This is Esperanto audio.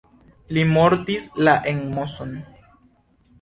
Li mortis la en Moson.